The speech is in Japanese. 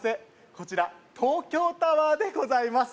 こちら東京タワーでございます